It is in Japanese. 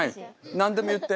何でも言って。